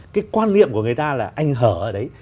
cái quan niệm của người ta là anh hở ở đấy